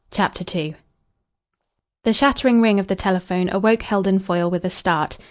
CHAPTER II The shattering ring of the telephone awoke Heldon Foyle with a start.